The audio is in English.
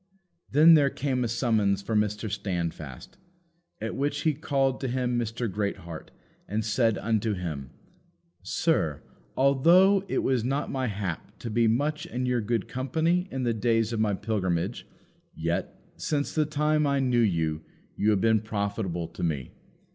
Then there came a summons for Mr. Standfast. At which he called to him Mr. Greatheart, and said unto him, "Sir, although it was not my hap to be much in your good company in the days of my pilgrimage, yet, since the time I knew you, you have been profitable to me.